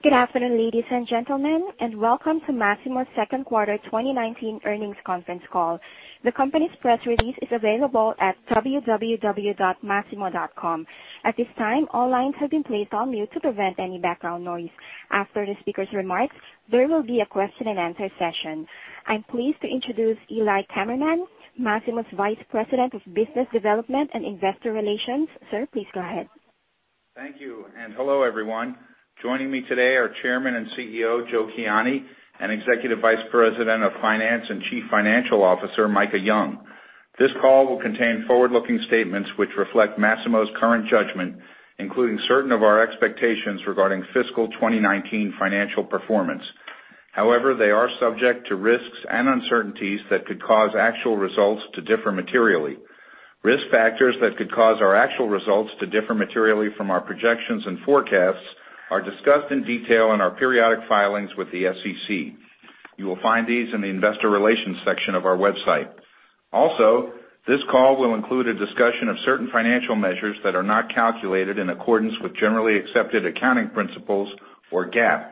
Good afternoon, ladies and gentlemen, and welcome to Masimo's second quarter 2019 earnings conference call. The company's press release is available at www.masimo.com. At this time, all lines have been placed on mute to prevent any background noise. After the speaker's remarks, there will be a question and answer session. I'm pleased to introduce Eli Kammerman, Masimo's Vice President of Business Development and Investor Relations. Sir, please go ahead. Thank you, and hello, everyone. Joining me today are Chairman and CEO, Joe Kiani, and Executive Vice President of Finance and Chief Financial Officer, Micah Young. This call will contain forward-looking statements which reflect Masimo's current judgment, including certain of our expectations regarding fiscal 2019 financial performance. They are subject to risks and uncertainties that could cause actual results to differ materially. Risk factors that could cause our actual results to differ materially from our projections and forecasts are discussed in detail in our periodic filings with the SEC. You will find these in the investor relations section of our website. This call will include a discussion of certain financial measures that are not calculated in accordance with generally accepted accounting principles, or GAAP.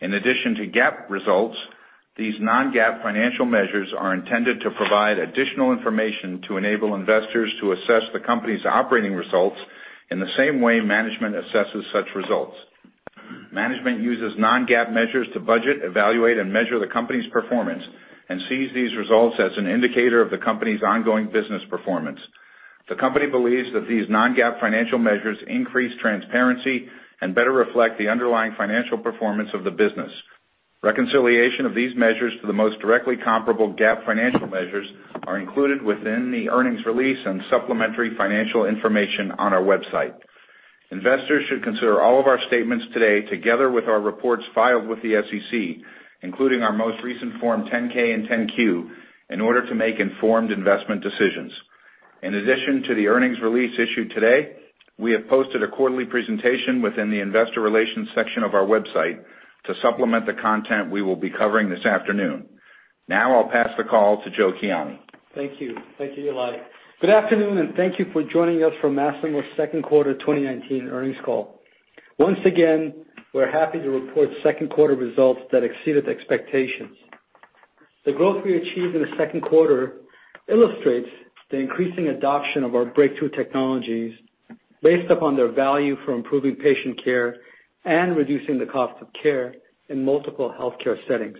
In addition to GAAP results, these non-GAAP financial measures are intended to provide additional information to enable investors to assess the company's operating results in the same way management assesses such results. Management uses non-GAAP measures to budget, evaluate, and measure the company's performance and sees these results as an indicator of the company's ongoing business performance. The company believes that these non-GAAP financial measures increase transparency and better reflect the underlying financial performance of the business. Reconciliation of these measures to the most directly comparable GAAP financial measures are included within the earnings release and supplementary financial information on our website. Investors should consider all of our statements today, together with our reports filed with the SEC, including our most recent Form 10-K and 10-Q, in order to make informed investment decisions. In addition to the earnings release issued today, we have posted a quarterly presentation within the investor relations section of our website to supplement the content we will be covering this afternoon. Now I'll pass the call to Joe Kiani. Thank you. Thank you, Eli. Good afternoon, and thank you for joining us for Masimo's second quarter 2019 earnings call. Once again, we're happy to report second quarter results that exceeded expectations. The growth we achieved in the second quarter illustrates the increasing adoption of our breakthrough technologies based upon their value for improving patient care and reducing the cost of care in multiple healthcare settings.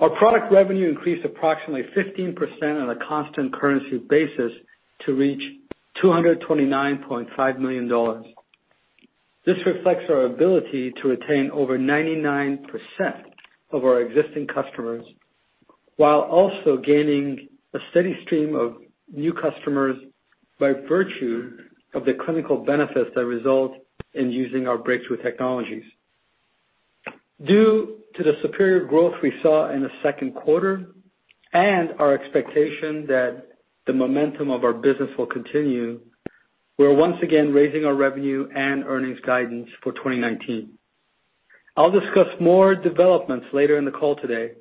Our product revenue increased approximately 15% on a constant currency basis to reach $229.5 million. This reflects our ability to retain over 99% of our existing customers, while also gaining a steady stream of new customers by virtue of the clinical benefits that result in using our breakthrough technologies. Due to the superior growth we saw in the second quarter and our expectation that the momentum of our business will continue, we're once again raising our revenue and earnings guidance for 2019. I'll discuss more developments later in the call today.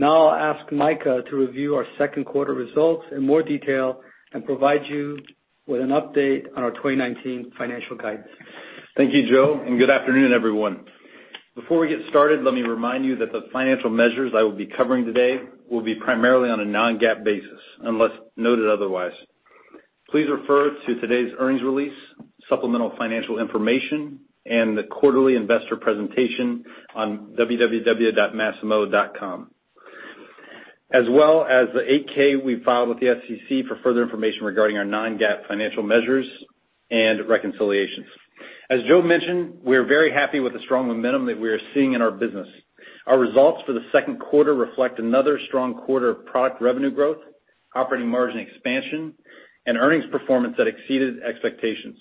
Now I'll ask Micah to review our second quarter results in more detail and provide you with an update on our 2019 financial guidance. Thank you, Joe, and good afternoon, everyone. Before we get started, let me remind you that the financial measures I will be covering today will be primarily on a non-GAAP basis, unless noted otherwise. Please refer to today's earnings release, supplemental financial information, and the quarterly investor presentation on www.masimo.com, as well as the 8-K we filed with the SEC for further information regarding our non-GAAP financial measures and reconciliations. As Joe mentioned, we are very happy with the strong momentum that we are seeing in our business. Our results for the second quarter reflect another strong quarter of product revenue growth, operating margin expansion, and earnings performance that exceeded expectations.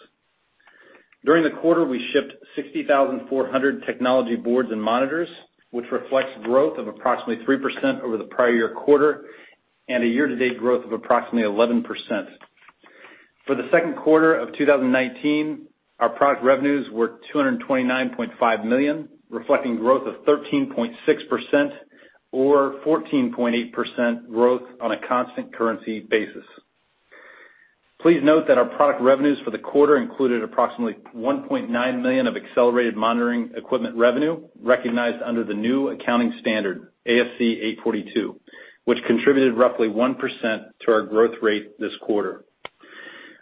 During the quarter, we shipped 60,400 technology boards and monitors, which reflects growth of approximately 3% over the prior year quarter and a year-to-date growth of approximately 11%. For the second quarter of 2019, our product revenues were $229.5 million, reflecting growth of 13.6% or 14.8% growth on a constant currency basis. Please note that our product revenues for the quarter included approximately $1.9 million of accelerated monitoring equipment revenue recognized under the new accounting standard, ASC 842, which contributed roughly 1% to our growth rate this quarter.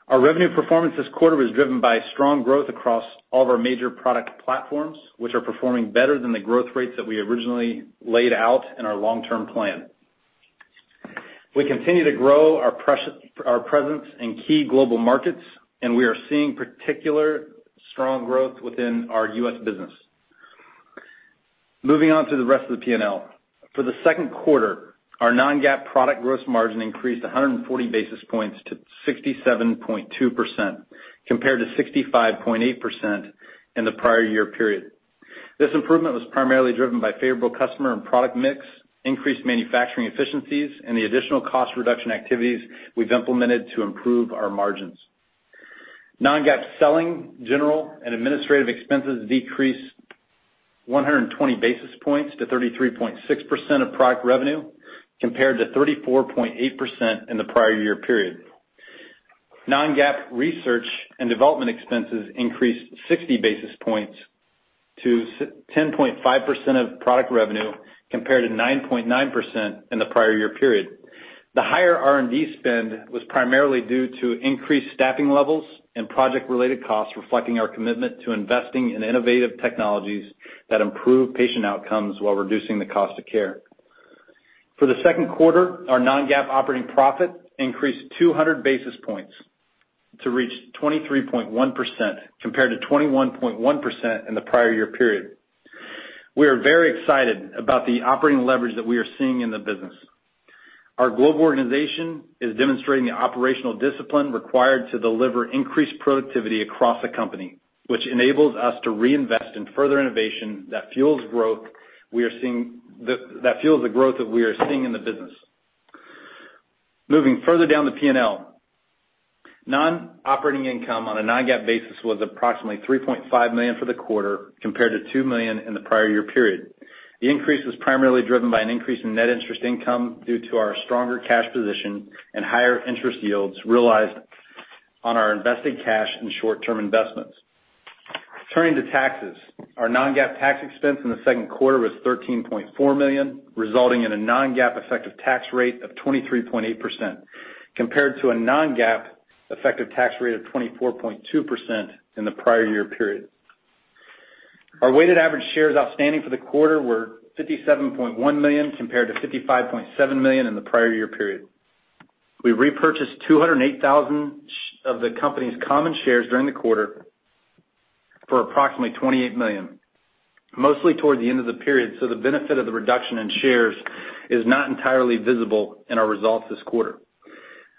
Our revenue performance this quarter was driven by strong growth across all of our major product platforms, which are performing better than the growth rates that we originally laid out in our long-term plan. We continue to grow our presence in key global markets, and we are seeing particular strong growth within our U.S. business. Moving on to the rest of the P&L. For the second quarter, our non-GAAP product gross margin increased 140 basis points to 67.2%, compared to 65.8% in the prior year period. This improvement was primarily driven by favorable customer and product mix, increased manufacturing efficiencies, and the additional cost reduction activities we've implemented to improve our margins. Non-GAAP Selling, General, and Administrative Expenses decreased. 120 basis points to 33.6% of product revenue, compared to 34.8% in the prior year period. Non-GAAP research and development expenses increased 60 basis points to 10.5% of product revenue, compared to 9.9% in the prior year period. The higher R&D spend was primarily due to increased staffing levels and project-related costs, reflecting our commitment to investing in innovative technologies that improve patient outcomes while reducing the cost of care. For the second quarter, our non-GAAP operating profit increased 200 basis points to reach 23.1%, compared to 21.1% in the prior year period. We are very excited about the operating leverage that we are seeing in the business. Our global organization is demonstrating the operational discipline required to deliver increased productivity across the company, which enables us to reinvest in further innovation that fuels the growth that we are seeing in the business. Moving further down the P&L. Non-operating income on a non-GAAP basis was approximately $3.5 million for the quarter, compared to $2 million in the prior year period. The increase was primarily driven by an increase in net interest income due to our stronger cash position and higher interest yields realized on our invested cash and short-term investments. Turning to taxes, our non-GAAP tax expense in the second quarter was $13.4 million, resulting in a non-GAAP effective tax rate of 23.8%, compared to a non-GAAP effective tax rate of 24.2% in the prior year period. Our weighted average shares outstanding for the quarter were 57.1 million, compared to 55.7 million in the prior year period. We repurchased 208,000 of the company's common shares during the quarter for approximately $28 million, mostly toward the end of the period, so the benefit of the reduction in shares is not entirely visible in our results this quarter.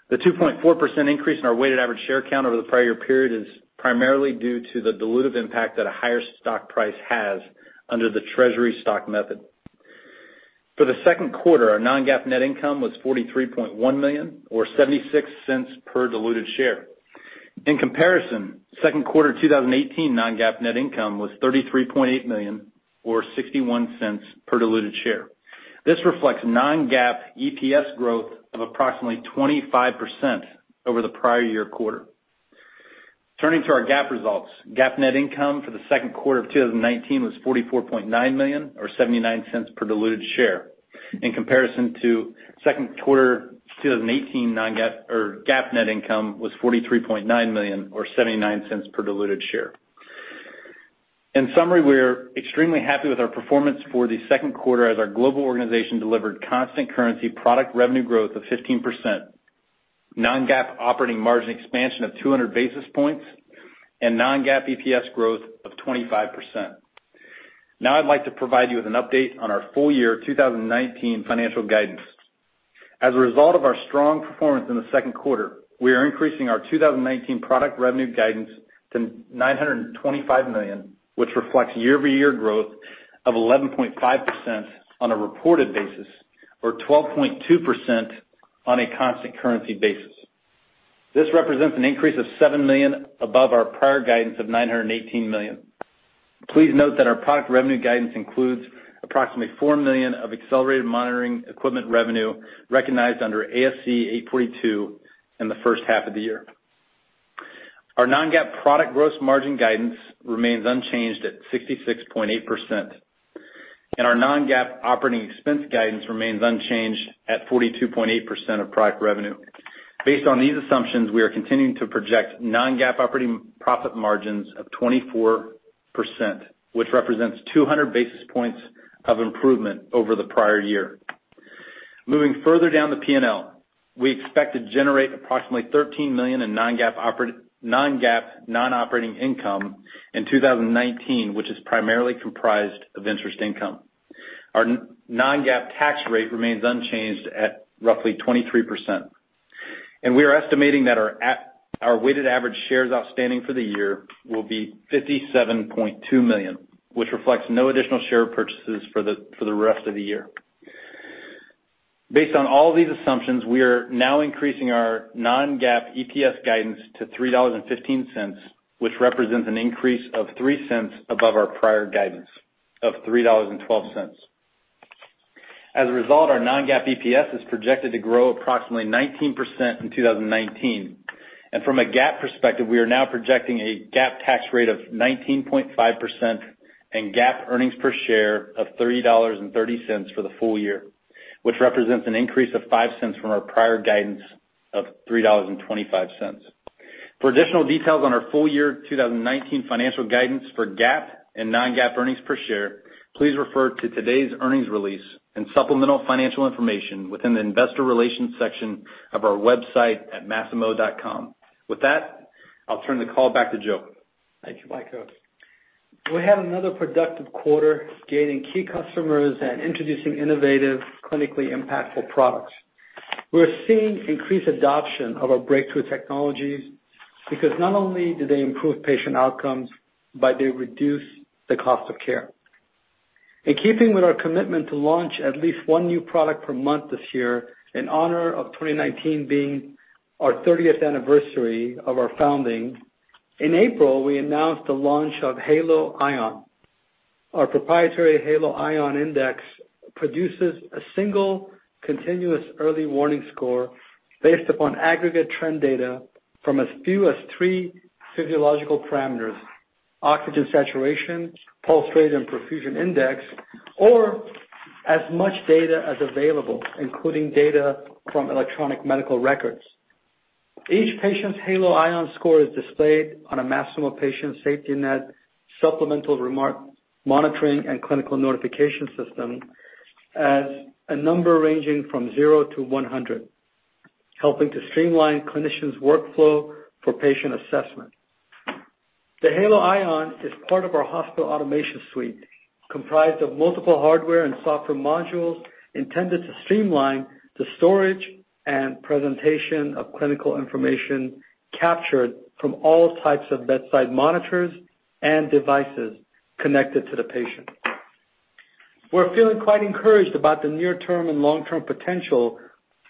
The 2.4% increase in our weighted average share count over the prior year period is primarily due to the dilutive impact that a higher stock price has under the treasury stock method. For the second quarter, our non-GAAP net income was $43.1 million, or $0.76 per diluted share. In comparison, second quarter 2018 non-GAAP net income was $33.8 million, or $0.61 per diluted share. This reflects non-GAAP EPS growth of approximately 25% over the prior year quarter. Turning to our GAAP results. GAAP net income for the second quarter of 2019 was $44.9 million, or $0.79 per diluted share, in comparison to second quarter 2018 GAAP net income was $43.9 million, or $0.79 per diluted share. In summary, we're extremely happy with our performance for the second quarter as our global organization delivered constant currency product revenue growth of 15%, non-GAAP operating margin expansion of 200 basis points, and non-GAAP EPS growth of 25%. Now I'd like to provide you with an update on our full year 2019 financial guidance. As a result of our strong performance in the second quarter, we are increasing our 2019 product revenue guidance to $925 million, which reflects year-over-year growth of 11.5% on a reported basis, or 12.2% on a constant currency basis. This represents an increase of $7 million above our prior guidance of $918 million. Please note that our product revenue guidance includes approximately $4 million of accelerated monitoring equipment revenue recognized under ASC 842 in the first half of the year. Our non-GAAP product gross margin guidance remains unchanged at 66.8%, and our non-GAAP operating expense guidance remains unchanged at 42.8% of product revenue. Based on these assumptions, we are continuing to project non-GAAP operating profit margins of 24%, which represents 200 basis points of improvement over the prior year. Moving further down the P&L, we expect to generate approximately $13 million in non-GAAP non-operating income in 2019, which is primarily comprised of interest income. Our non-GAAP tax rate remains unchanged at roughly 23%, and we are estimating that our weighted average shares outstanding for the year will be 57.2 million, which reflects no additional share purchases for the rest of the year. Based on all these assumptions, we are now increasing our non-GAAP EPS guidance to $3.15, which represents an increase of $0.03 above our prior guidance of $3.12. As a result, our non-GAAP EPS is projected to grow approximately 19% in 2019. From a GAAP perspective, we are now projecting a GAAP tax rate of 19.5% and GAAP earnings per share of $3.30 for the full year, which represents an increase of $0.05 from our prior guidance of $3.25. For additional details on our full year 2019 financial guidance for GAAP and non-GAAP earnings per share, please refer to today's earnings release and supplemental financial information within the investor relations section of our website at masimo.com. With that, I'll turn the call back to Joe. Thank you, Micah Young. We had another productive quarter gaining key customers and introducing innovative, clinically impactful products. We're seeing increased adoption of our breakthrough technologies because not only do they improve patient outcomes, but they reduce the cost of care. In keeping with our commitment to launch at least one new product per month this year, in honor of 2019 being our 30th anniversary of our founding, in April, we announced the launch of Halo ION. Our proprietary Halo ION index produces a single continuous early warning score based upon aggregate trend data from as few as three physiological parameters, oxygen saturation, pulse rate, and perfusion index, or as much data as available, including data from electronic medical records. Each patient's Halo ION score is displayed on a Masimo Patient SafetyNet supplemental remote monitoring and clinical notification system as a number ranging from zero to 100, helping to streamline clinicians' workflow for patient assessment. The Halo ION is part of our hospital automation suite, comprised of multiple hardware and software modules intended to streamline the storage and presentation of clinical information captured from all types of bedside monitors and devices connected to the patient. We're feeling quite encouraged about the near-term and long-term potential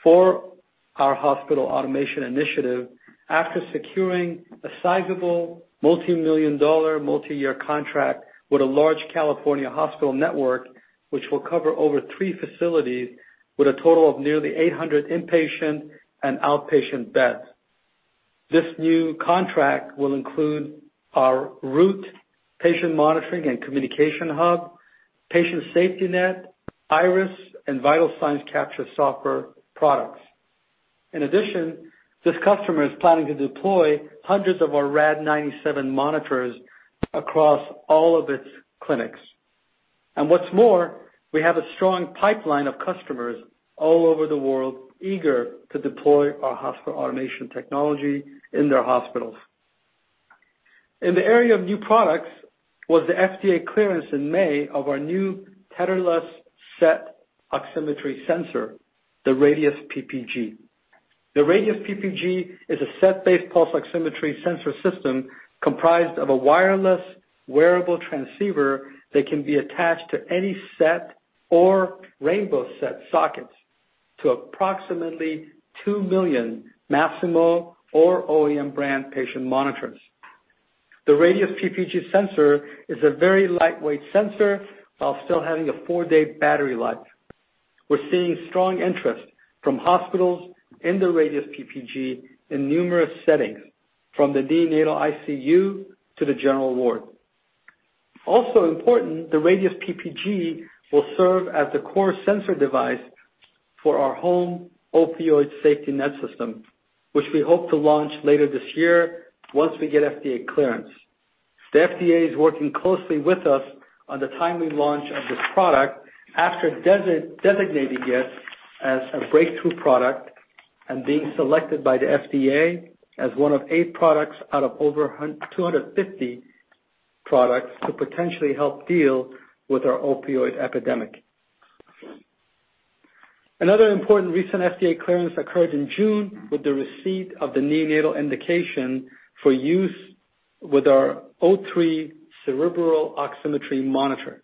for our hospital automation initiative after securing a sizable multi-million dollar, multi-year contract with a large California hospital network, which will cover over three facilities with a total of nearly 800 inpatient and outpatient beds. This new contract will include our Root patient monitoring and communication hub, Patient SafetyNet, Iris, and vital signs capture software products. In addition, this customer is planning to deploy hundreds of our Rad-97 monitors across all of its clinics. What's more, we have a strong pipeline of customers all over the world eager to deploy our hospital automation technology in their hospitals. In the area of new products was the FDA clearance in May of our new tetherless SET oximetry sensor, the Radius PPG. The Radius PPG is a SET-based pulse oximetry sensor system comprised of a wireless wearable transceiver that can be attached to any SET or rainbow SET sockets to approximately 2 million Masimo or OEM brand patient monitors. The Radius PPG sensor is a very lightweight sensor while still having a four-day battery life. We're seeing strong interest from hospitals in the Radius PPG in numerous settings, from the neonatal ICU to the general ward. Important, the Radius PPG will serve as the core sensor device for our Opioid Halo, which we hope to launch later this year once we get FDA clearance. The FDA is working closely with us on the timely launch of this product after designating it as a breakthrough product and being selected by the FDA as one of eight products out of over 250 products to potentially help deal with our opioid epidemic. Important recent FDA clearance occurred in June with the receipt of the neonatal indication for use with our O3 cerebral oximetry monitor.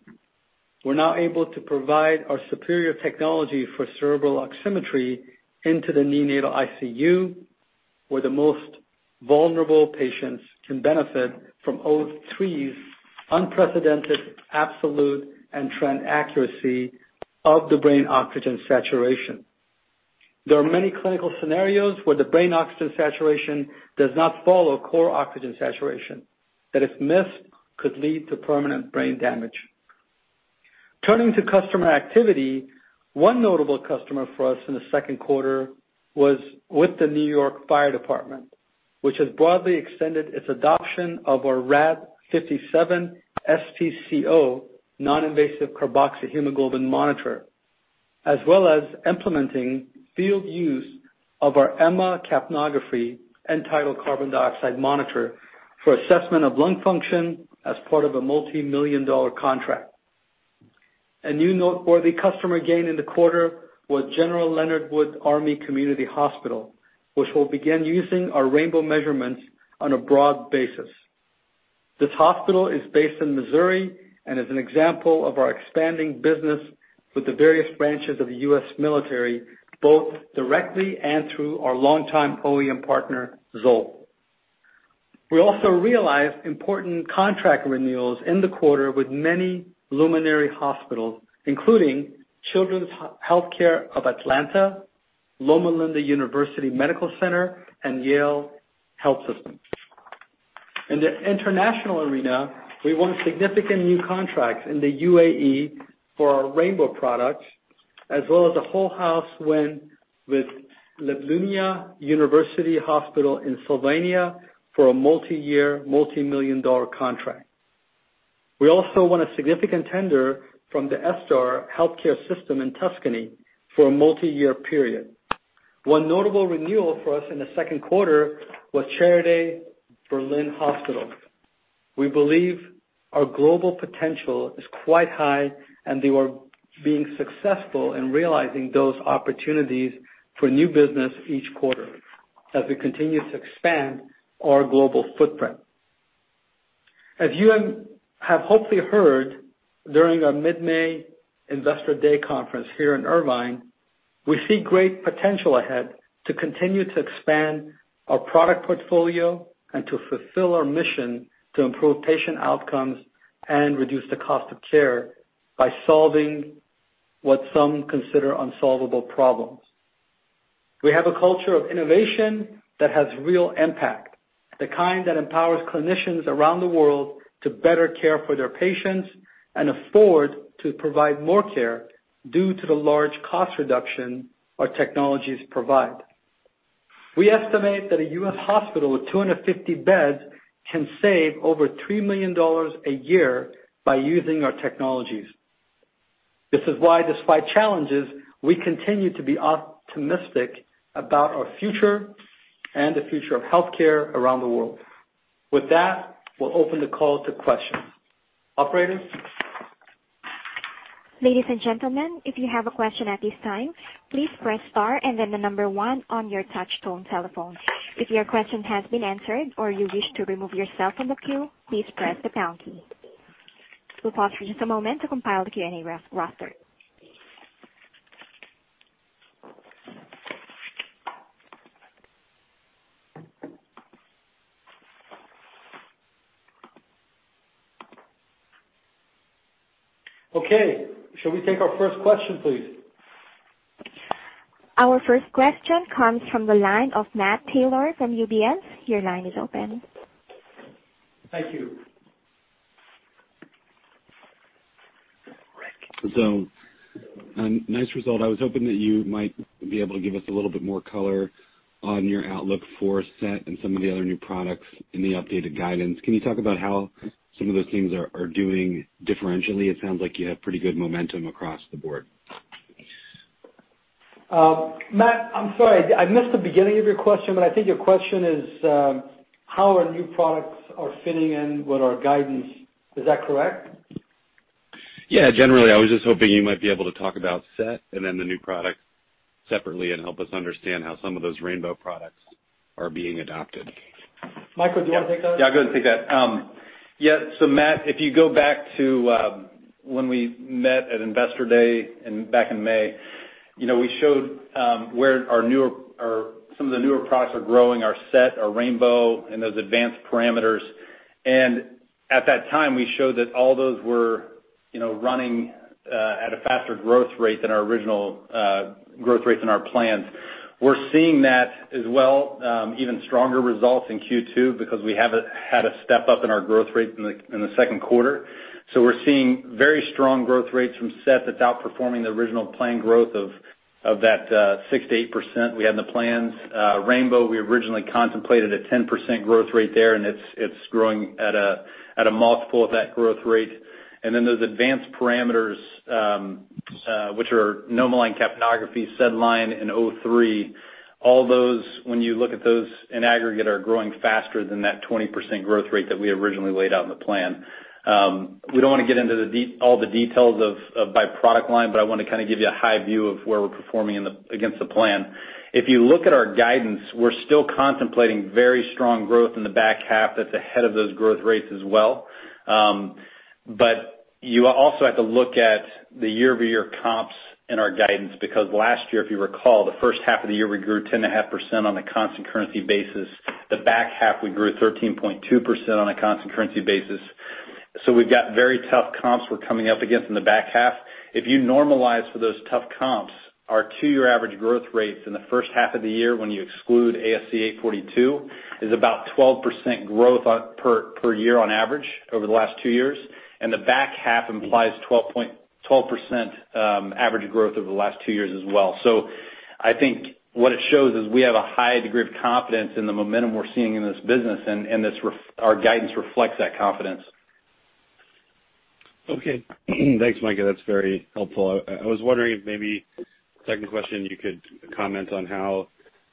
We're now able to provide our superior technology for cerebral oximetry into the neonatal ICU, where the most vulnerable patients can benefit from O3's unprecedented absolute and trend accuracy of the brain oxygen saturation. There are many clinical scenarios where the brain oxygen saturation does not follow core oxygen saturation, that if missed, could lead to permanent brain damage. Turning to customer activity, one notable customer for us in the second quarter was with the New York City Fire Department, which has broadly extended its adoption of our Rad-57 non-invasive carboxyhemoglobin monitor, as well as implementing field use of our EMMA capnography end-tidal carbon dioxide monitor for assessment of lung function as part of a multi-million dollar contract. A new noteworthy customer gain in the quarter was General Leonard Wood Army Community Hospital, which will begin using our rainbow measurements on a broad basis. This hospital is based in Missouri and is an example of our expanding business with the various branches of the U.S. military, both directly and through our longtime OEM partner, Zoll. We also realized important contract renewals in the quarter with many luminary hospitals, including Children's Healthcare of Atlanta, Loma Linda University Medical Center, and Yale Health System. In the international arena, we won significant new contracts in the UAE for our rainbow products, as well as a whole house win with University Medical Centre Ljubljana in Slovenia for a multi-year, multi-million dollar contract. We also won a significant tender from the ESTAR healthcare system in Tuscany for a multi-year period. One notable renewal for us in the second quarter was Charité Berlin Hospital. We believe our global potential is quite high. We are being successful in realizing those opportunities for new business each quarter. As we continue to expand our global footprint. As you have hopefully heard during our mid-May Investor Day conference here in Irvine, we see great potential ahead to continue to expand our product portfolio and to fulfill our mission to improve patient outcomes and reduce the cost of care by solving what some consider unsolvable problems. We have a culture of innovation that has real impact, the kind that empowers clinicians around the world to better care for their patients and afford to provide more care due to the large cost reduction our technologies provide. We estimate that a US hospital with 250 beds can save over $3 million a year by using our technologies. This is why, despite challenges, we continue to be optimistic about our future and the future of healthcare around the world. With that, we will open the call to questions. Operator? Ladies and gentlemen, if you have a question at this time, please press star and then the number 1 on your touch-tone telephone. If your question has been answered or you wish to remove yourself from the queue, please press the pound key. We'll pause for just a moment to compile the Q&A roster. Okay. Shall we take our first question, please? Our first question comes from the line of Matt Taylor from UBS. Your line is open. Thank you. Nice result. I was hoping that you might be able to give us a little bit more color on your outlook for SET and some of the other new products in the updated guidance. Can you talk about how some of those things are doing differentially? It sounds like you have pretty good momentum across the board. Matt, I'm sorry. I missed the beginning of your question, but I think your question is, how our new products are fitting in with our guidance. Is that correct? Yeah. Generally, I was just hoping you might be able to talk about SET and then the new products separately and help us understand how some of those rainbow products are being adopted. Micah, do you want to take that? I can take that. Yeah. Matt, if you go back to when we met at Investor Day back in May, we showed where some of the newer products are growing, our SET, our rainbow, and those advanced parameters. At that time, we showed that all those were running at a faster growth rate than our original growth rates in our plans. We're seeing that as well, even stronger results in Q2 because we have had a step up in our growth rate in the second quarter. We're seeing very strong growth rates from SET that's outperforming the original plan growth of that 6%-8% we had in the plans. rainbow, we originally contemplated a 10% growth rate there, and it's growing at a multiple of that growth rate. Those advanced parameters, which are NomoLine capnography, SedLine, and O3, all those, when you look at those in aggregate, are growing faster than that 20% growth rate that we originally laid out in the plan. We don't want to get into all the details by product line, but I want to give you a high view of where we're performing against the plan. If you look at our guidance, we're still contemplating very strong growth in the back half that's ahead of those growth rates as well. You also have to look at the year-over-year comps in our guidance, because last year, if you recall, the first half of the year, we grew 10.5% on a constant currency basis. The back half, we grew 13.2% on a constant currency basis. We've got very tough comps we're coming up against in the back half. If you normalize for those tough comps, our two-year average growth rates in the first half of the year when you exclude ASC 842 is about 12% growth per year on average over the last two years, and the back half implies 12% average growth over the last two years as well. I think what it shows is we have a high degree of confidence in the momentum we're seeing in this business, and our guidance reflects that confidence. Okay. Thanks, Micah. That's very helpful. I was wondering if maybe, second question, you could comment on how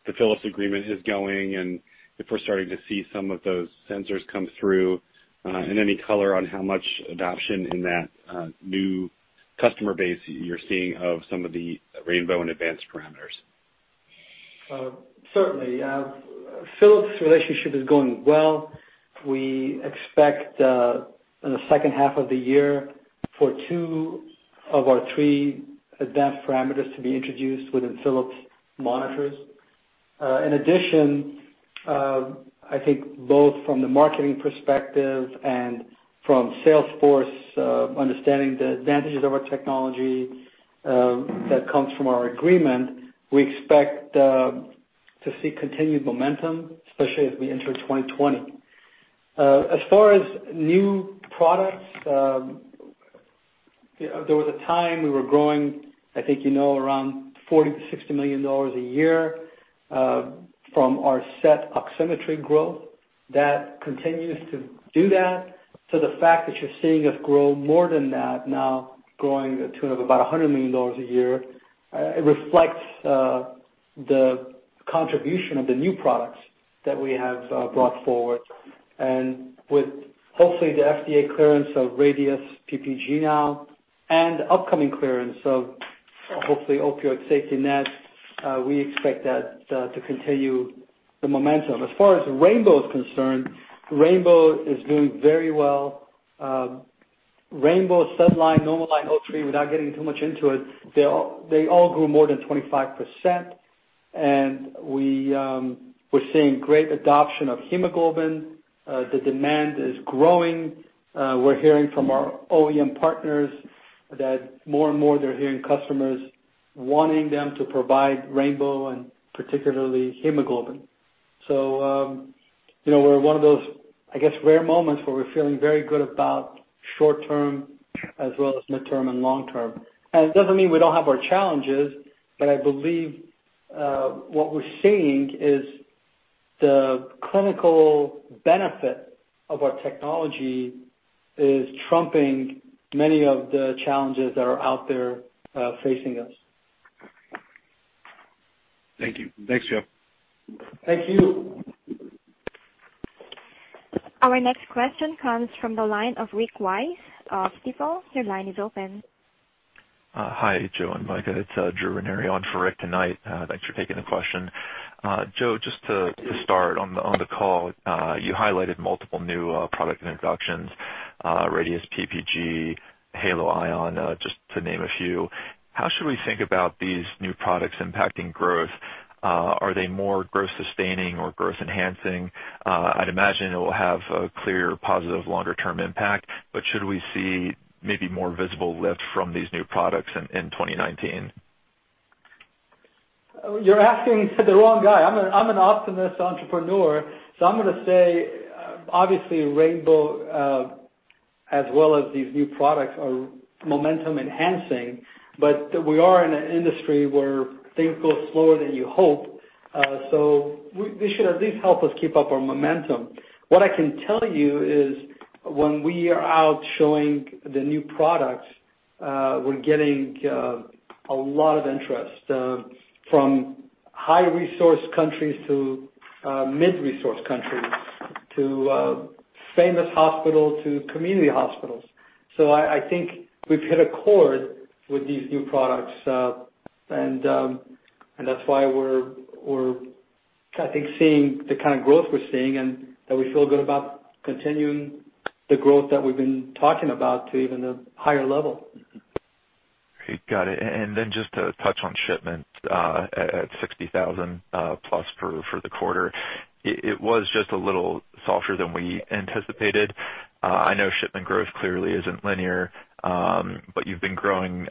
the Philips agreement is going and if we're starting to see some of those sensors come through, and any color on how much adoption in that new customer base you're seeing of some of the rainbow and advanced parameters. Certainly. Philips relationship is going well. We expect in the second half of the year for two of our three advanced parameters to be introduced within Philips monitors. I think both from the marketing perspective and from sales force understanding the advantages of our technology that comes from our agreement, we expect to see continued momentum, especially as we enter 2020. As far as new products, there was a time we were growing, I think you know, around $40 million-$60 million a year from our SET oximetry growth. That continues to do that. The fact that you're seeing us grow more than that now, growing to about $100 million a year, it reflects the contribution of the new products that we have brought forward. With hopefully the FDA clearance of Radius PPG now and upcoming clearance of hopefully Opioid Halo, we expect that to continue the momentum. As far as Rainbow is concerned, Rainbow is doing very well. Rainbow, NomoLine, O3, without getting too much into it, they all grew more than 25%, and we're seeing great adoption of hemoglobin. The demand is growing. We're hearing from our OEM partners that more and more they're hearing customers wanting them to provide Rainbow and particularly hemoglobin. We're in one of those, I guess, rare moments where we're feeling very good about short-term as well as midterm and long-term. It doesn't mean we don't have our challenges, but I believe what we're seeing is the clinical benefit of our technology is trumping many of the challenges that are out there facing us. Thank you. Thanks, Joe. Thank you. Our next question comes from the line of Rick Wise of Stifel. Your line is open. Hi, Joe and Micah. It's Drew Rinere on for Rick tonight. Thanks for taking the question. Joe, just to start on the call, you highlighted multiple new product introductions, Radius PPG, Halo ION, just to name a few. How should we think about these new products impacting growth? Are they more growth sustaining or growth enhancing? I'd imagine it will have a clear positive longer-term impact, but should we see maybe more visible lift from these new products in 2019? You're asking to the wrong guy. I'm an optimist entrepreneur. I'm going to say, obviously Rainbow, as well as these new products, are momentum enhancing. We are in an industry where things go slower than you hope. They should at least help us keep up our momentum. What I can tell you is when we are out showing the new products, we're getting a lot of interest from high resource countries to mid-resource countries, to famous hospitals, to community hospitals. I think we've hit a chord with these new products. That's why we're I think seeing the kind of growth we're seeing, and that we feel good about continuing the growth that we've been talking about to even a higher level. Great. Got it. Just to touch on shipment at 60,000+ for the quarter. It was just a little softer than we anticipated. I know shipment growth clearly isn't linear, but you've been growing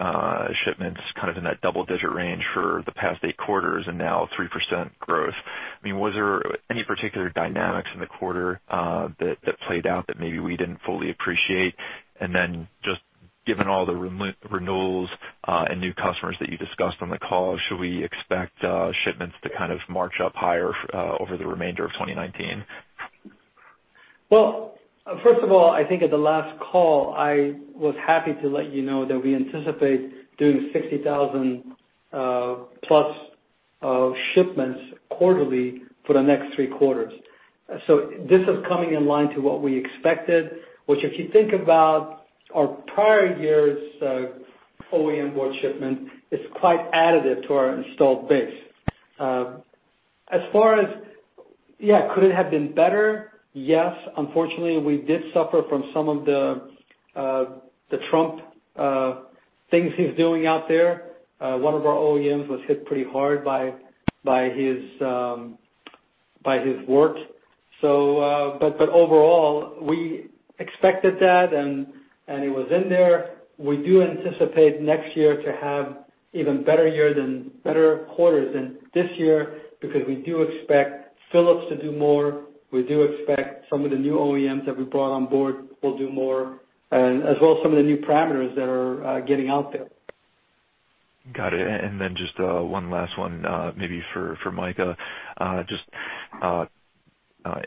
shipments kind of in that double-digit range for the past eight quarters and now 3% growth. Was there any particular dynamics in the quarter that played out that maybe we didn't fully appreciate? Just given all the renewals and new customers that you discussed on the call, should we expect shipments to kind of march up higher over the remainder of 2019? First of all, I think at the last call, I was happy to let you know that we anticipate doing 60,000+ shipments quarterly for the next three quarters. This is coming in line to what we expected, which if you think about our prior year's OEM board shipment, it's quite additive to our installed base. As far as, could it have been better? Yes, unfortunately, we did suffer from some of the Trump things he's doing out there. One of our OEMs was hit pretty hard by his work. Overall, we expected that, and it was in there. We do anticipate next year to have even better quarters than this year because we do expect Philips to do more. We do expect some of the new OEMs that we brought on board will do more, as well as some of the new parameters that are getting out there. Got it. Then just one last one maybe for Micah. Just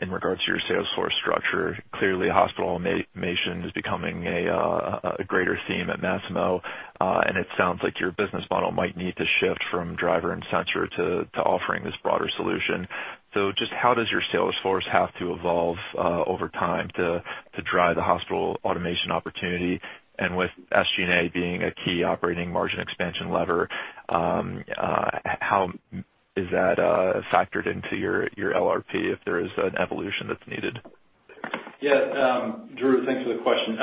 in regards to your sales force structure, clearly hospital automation is becoming a greater theme at Masimo. It sounds like your business model might need to shift from driver and sensor to offering this broader solution. Just how does your sales force have to evolve over time to drive the hospital automation opportunity? With SG&A being a key operating margin expansion lever, how is that factored into your LRP, if there is an evolution that's needed? Yeah. Drew, thanks for the question.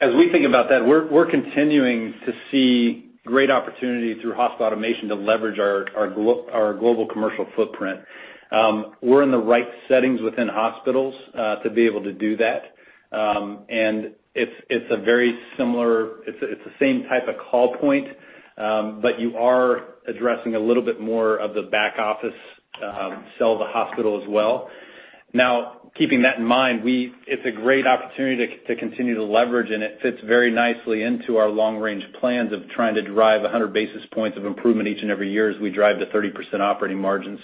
As we think about that, we're continuing to see great opportunity through hospital automation to leverage our global commercial footprint. We're in the right settings within hospitals to be able to do that. It's the same type of call point, but you are addressing a little bit more of the back office sell to hospital as well. Keeping that in mind, it's a great opportunity to continue to leverage, and it fits very nicely into our long-range plans of trying to drive 100 basis points of improvement each and every year as we drive to 30% operating margins.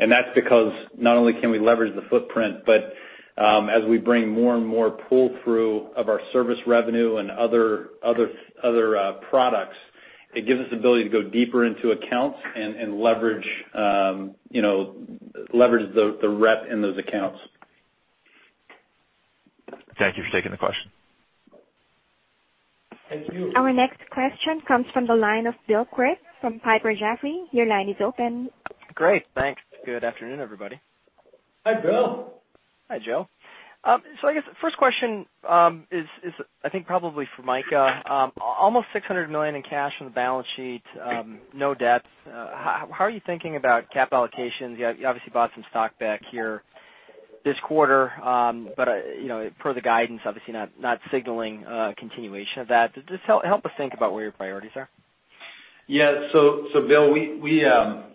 That's because not only can we leverage the footprint, but as we bring more and more pull-through of our service revenue and other products, it gives us the ability to go deeper into accounts and leverage the rep in those accounts. Thank you for taking the question. Thank you. Our next question comes from the line of Bill Quirk from Piper Jaffray. Your line is open. Great, thanks. Good afternoon, everybody. Hi, Bill. Hi, Joe. I guess first question is I think probably for Micah. Almost $600 million in cash on the balance sheet, no debt. How are you thinking about cap allocations? You obviously bought some stock back here this quarter, per the guidance, obviously not signaling a continuation of that. Just help us think about where your priorities are. Yeah. Bill,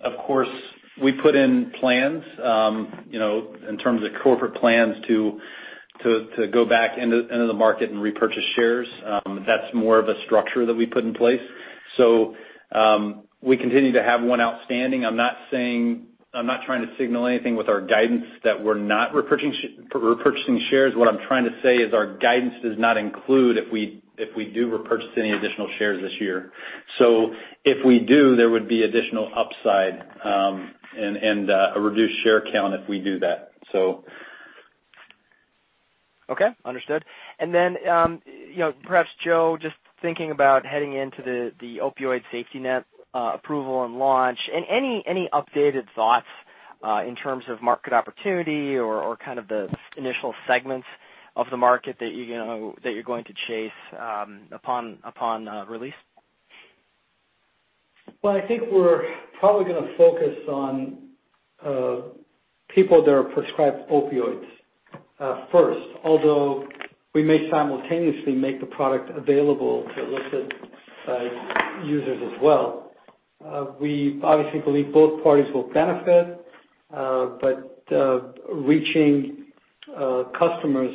of course, we put in plans, in terms of corporate plans to go back into the market and repurchase shares. That's more of a structure that we put in place. We continue to have one outstanding. I'm not trying to signal anything with our guidance that we're not repurchasing shares. What I'm trying to say is our guidance does not include if we do repurchase any additional shares this year. If we do, there would be additional upside, and a reduced share count if we do that. Okay, understood. Perhaps Joe, just thinking about heading into the Opioid Safety Net approval and launch, and any updated thoughts, in terms of market opportunity or kind of the initial segments of the market that you're going to chase upon release? Well, I think we're probably going to focus on people that are prescribed opioids first. Although we may simultaneously make the product available to illicit users as well. We obviously believe both parties will benefit, but reaching customers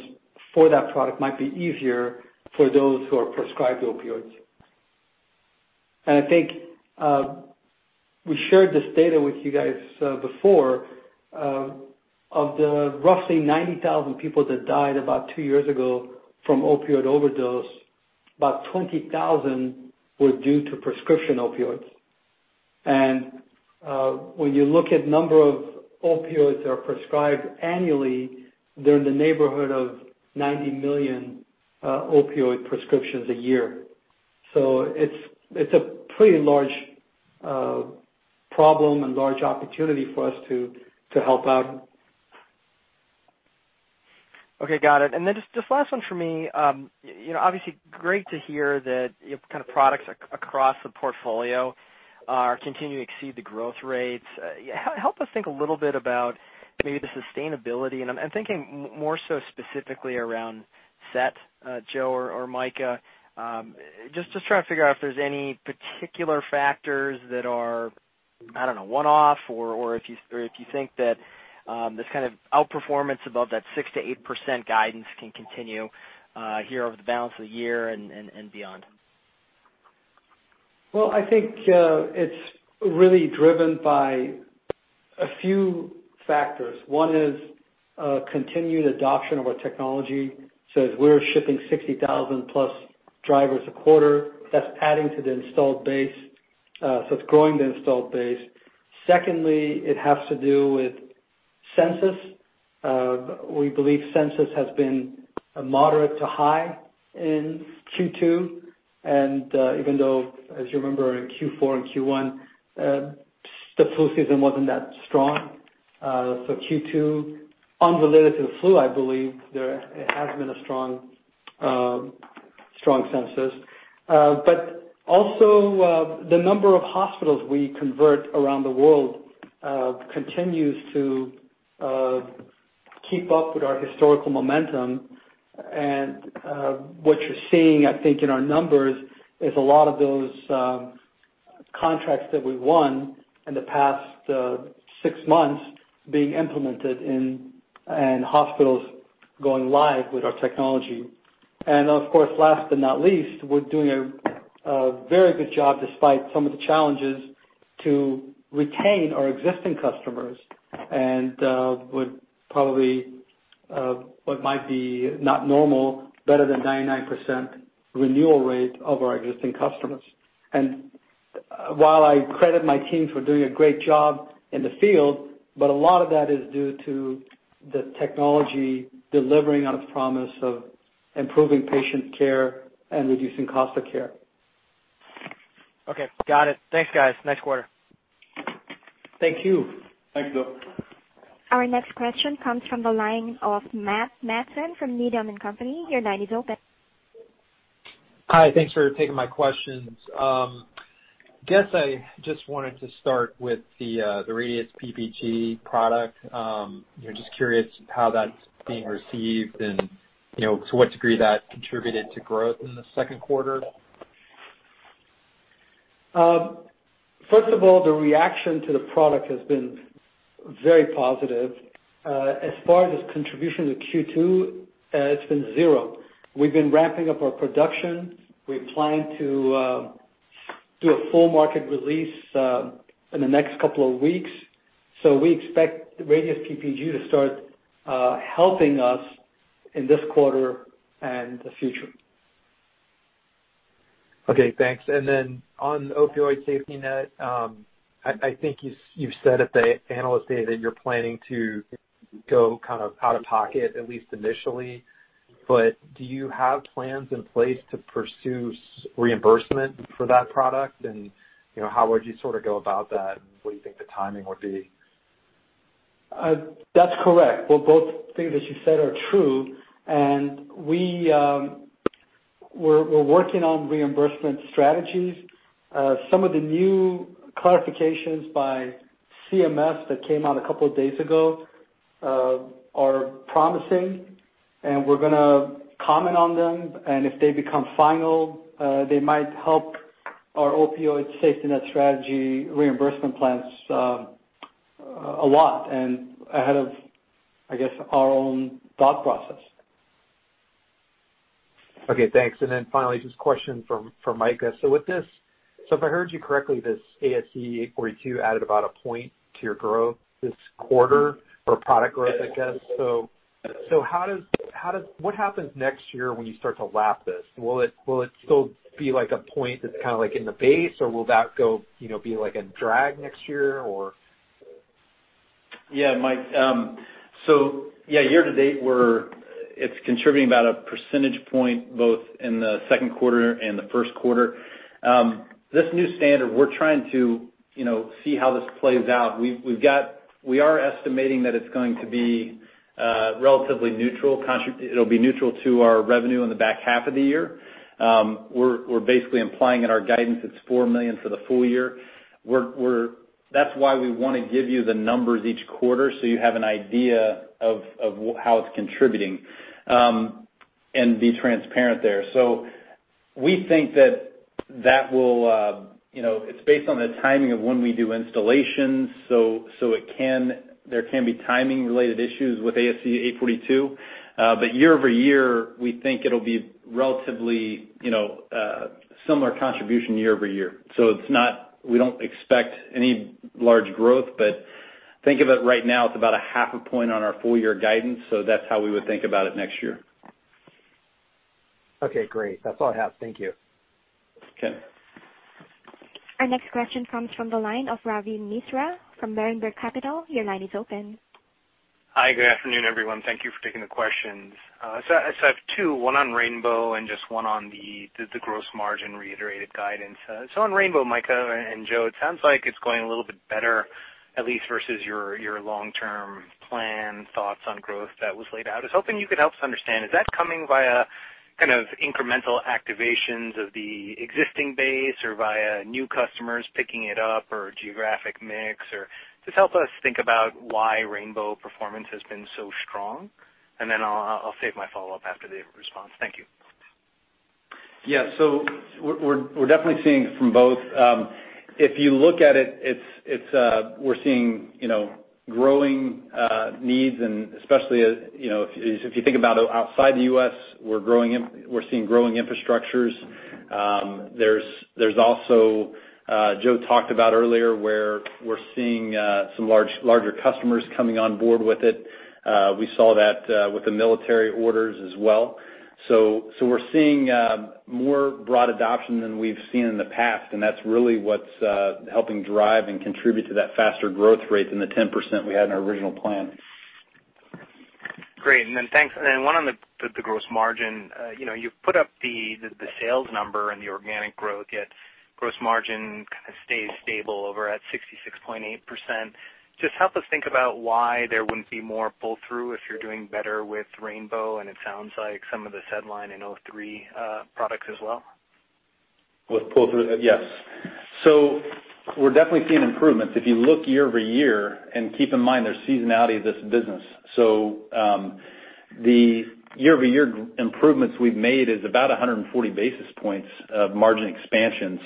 for that product might be easier for those who are prescribed opioids. I think, we shared this data with you guys before. Of the roughly 90,000 people that died about two years ago from opioid overdose, about 20,000 were due to prescription opioids. When you look at number of opioids that are prescribed annually, they're in the neighborhood of 90 million opioid prescriptions a year. It's a pretty large problem and large opportunity for us to help out. Okay, got it. Just last one for me. Obviously great to hear that kind of products across the portfolio are continuing to exceed the growth rates. Help us think a little bit about maybe the sustainability, and I'm thinking more so specifically around SET, Joe or Micah. Just trying to figure out if there's any particular factors that are, I don't know, one-off or if you think that this kind of outperformance above that 6%-8% guidance can continue here over the balance of the year and beyond. Well, I think, it's really driven by a few factors. One is, continued adoption of our technology. As we're shipping 60,000+ drivers a quarter, that's adding to the installed base, so it's growing the installed base. Secondly, it has to do with census. We believe census has been a moderate to high in Q2, and even though, as you remember, in Q4 and Q1, the flu season wasn't that strong. Q2, unrelated to the flu, I believe there has been a strong census. Also, the number of hospitals we convert around the world continues to keep up with our historical momentum. What you're seeing, I think in our numbers, is a lot of those contracts that we've won in the past six months being implemented and hospitals going live with our technology. Of course, last but not least, we're doing a very good job despite some of the challenges to retain our existing customers. With probably, what might be not normal, better than 99% renewal rate of our existing customers. While I credit my teams for doing a great job in the field, but a lot of that is due to the technology delivering on its promise of improving patient care and reducing cost of care. Okay, got it. Thanks, guys. Next quarter. Thank you. Thanks, Bill. Our next question comes from the line of Mike Matson from Needham & Company. Your line is open. Hi, thanks for taking my questions. Guess I just wanted to start with the Radius PPG product. Just curious how that's being received and to what degree that contributed to growth in the second quarter. First of all, the reaction to the product has been very positive. As far as its contribution to Q2, it's been zero. We've been ramping up our production. We plan to do a full market release in the next couple of weeks. We expect the Radius PPG to start helping us in this quarter and the future. Okay, thanks. On opioid safety net, I think you said at the analyst day that you're planning to go out of pocket, at least initially. Do you have plans in place to pursue reimbursement for that product? How would you go about that? What do you think the timing would be? That's correct. Well, both things that you said are true, and we're working on reimbursement strategies. Some of the new clarifications by CMS that came out a couple of days ago are promising, and we're going to comment on them, and if they become final, they might help our opioid safety net strategy reimbursement plans a lot and ahead of our own thought process. Okay, thanks. Finally, just a question from Micah. If I heard you correctly, this ASC 842 added about a point to your growth this quarter or product growth, I guess. What happens next year when you start to lap this? Will it still be a point that's in the base, or will that be a drag next year, or? Yeah, Micah. Year-to-date, it's contributing about a percentage point both in the second quarter and the first quarter. This new standard, we're trying to see how this plays out. We are estimating that it's going to be relatively neutral. It'll be neutral to our revenue in the back half of the year. We're basically implying in our guidance it's $4 million for the full year. That's why we want to give you the numbers each quarter so you have an idea of how it's contributing and be transparent there. We think that it's based on the timing of when we do installations, there can be timing related issues with ASC 842. Year-over-year, we think it'll be relatively similar contribution year-over-year. We don't expect any large growth, but think of it right now, it's about a half a point on our full year guidance, so that's how we would think about it next year. Okay, great. That's all I have. Thank you. Okay. Our next question comes from the line of Ravi Misra from Berenberg Capital. Your line is open. Hi. Good afternoon, everyone. Thank you for taking the questions. I have two, one on rainbow and just one on the gross margin reiterated guidance. On rainbow, Micah and Joe, it sounds like it's going a little bit better, at least versus your long-term plan, thoughts on growth that was laid out. I was hoping you could help us understand, is that coming via incremental activations of the existing base or via new customers picking it up or geographic mix? Just help us think about why rainbow performance has been so strong, and then I'll save my follow-up after the response. Thank you. We're definitely seeing from both. If you look at it, we're seeing growing needs, and especially if you think about outside the U.S., we're seeing growing infrastructures. There's also, Joe talked about earlier, where we're seeing some larger customers coming on board with it. We saw that with the military orders as well. We're seeing more broad adoption than we've seen in the past, and that's really what's helping drive and contribute to that faster growth rate than the 10% we had in our original plan. Great. Thanks. One on the gross margin. You've put up the sales number and the organic growth, yet gross margin stayed stable over at 66.8%. Just help us think about why there wouldn't be more pull-through if you're doing better with rainbow, and it sounds like some of the SedLine and O3 products as well. With pull-through. Yes. We're definitely seeing improvements. If you look year-over-year, and keep in mind there's seasonality to this business. The year-over-year improvements we've made is about 140 basis points of margin expansion.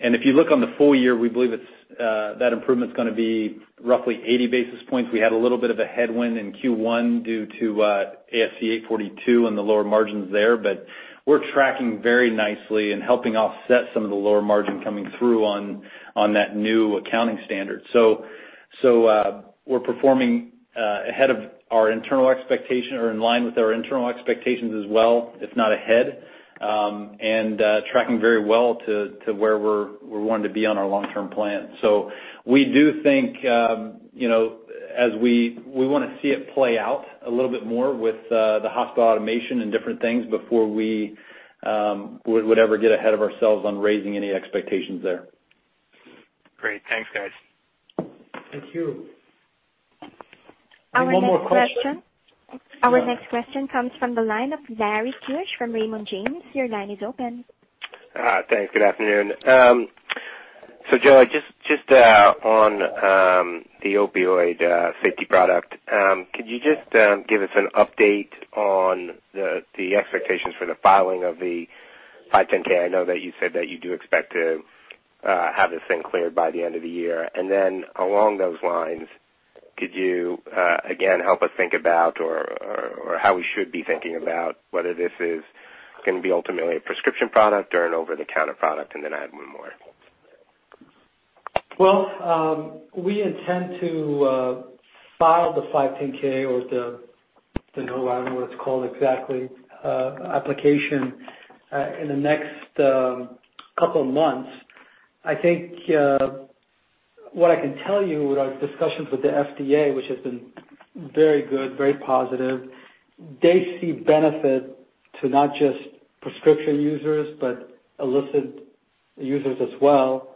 If you look on the full year, we believe that improvement's going to be roughly 80 basis points. We had a little bit of a headwind in Q1 due to ASC 842 and the lower margins there, but we're tracking very nicely and helping offset some of the lower margin coming through on that new accounting standard. We're performing ahead of our internal expectation or in line with our internal expectations as well, if not ahead, and tracking very well to where we're wanting to be on our long-term plan. We do think, we want to see it play out a little bit more with the hospital automation and different things before we would ever get ahead of ourselves on raising any expectations there. Great. Thanks, guys. Thank you. Our next question- One more question? Our next question comes from the line of Larry Scearce from Raymond James. Your line is open. Thanks. Good afternoon. Joe, just on the opioid safety product, could you just give us an update on the expectations for the filing of the 510? I know that you said that you do expect to have this thing cleared by the end of the year. Along those lines, could you, again, help us think about or how we should be thinking about whether this is going to be ultimately a prescription product or an over-the-counter product? I have one more. Well, we intend to file the 510 or the, I don't know what it's called exactly, application, in the next couple of months. I think what I can tell you with our discussions with the FDA, which has been very good, very positive, they see benefit to not just prescription users, but illicit users as well.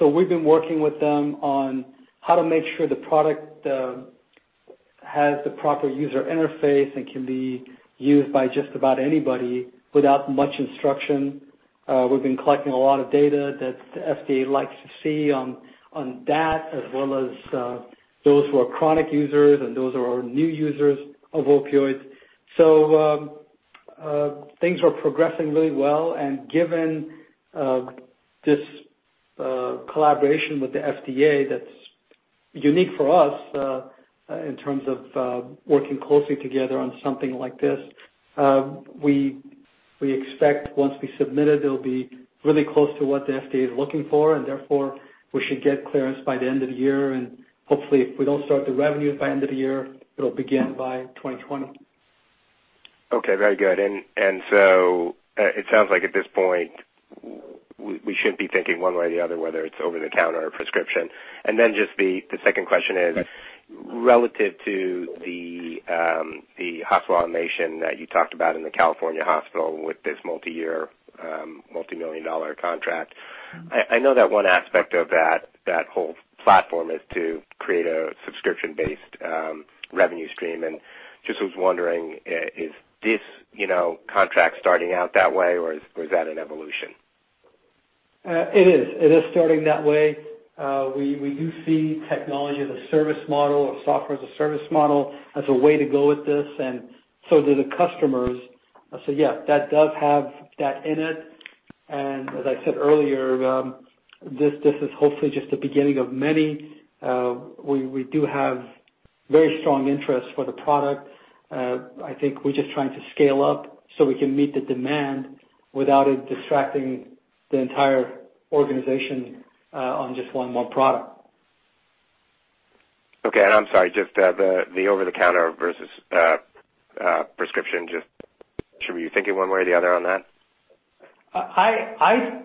We've been working with them on how to make sure the product has the proper user interface and can be used by just about anybody without much instruction. We've been collecting a lot of data that the FDA likes to see on that, as well as those who are chronic users and those who are new users of opioids. Things are progressing really well, and given this collaboration with the FDA, that's unique for us in terms of working closely together on something like this. We expect once we submit it'll be really close to what the FDA is looking for, and therefore, we should get clearance by the end of the year. Hopefully, if we don't start the revenue by end of the year, it'll begin by 2020. Okay. Very good. It sounds like at this point, we shouldn't be thinking one way or the other, whether it's over-the-counter or prescription. Just the second question is, relative to the hospital automation that you talked about in the California hospital with this multiyear, multimillion-dollar contract, I know that one aspect of that whole platform is to create a subscription-based revenue stream. Just was wondering, is this contract starting out that way, or is that an evolution? It is. It is starting that way. We do see technology as a service model or software as a service model as a way to go with this, and so do the customers. Yeah, that does have that in it. As I said earlier, this is hopefully just the beginning of many. We do have very strong interest for the product. I think we're just trying to scale up so we can meet the demand without it distracting the entire organization on just one more product. Okay. I'm sorry, just the over-the-counter versus prescription, should we be thinking one way or the other on that? I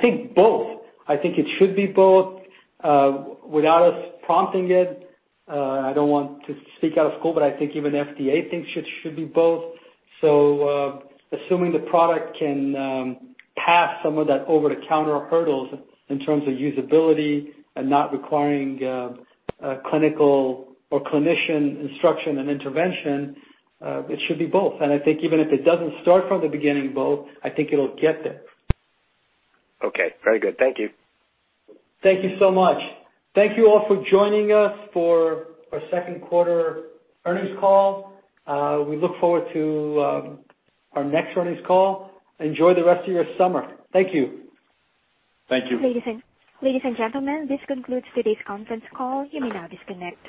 think both. I think it should be both. Without us prompting it, I don't want to speak out of school, I think even FDA thinks it should be both. Assuming the product can pass some of that over-the-counter hurdles in terms of usability and not requiring clinical or clinician instruction and intervention, it should be both. I think even if it doesn't start from the beginning both, I think it'll get there. Okay. Very good. Thank you. Thank you so much. Thank you all for joining us for our second quarter earnings call. We look forward to our next earnings call. Enjoy the rest of your summer. Thank you. Thank you. Ladies and gentlemen, this concludes today's conference call. You may now disconnect.